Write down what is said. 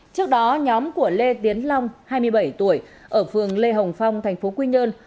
trước đó nhóm của lê tiến long hai mươi bảy tuổi ở phường lê hồng phong tp quy nhơn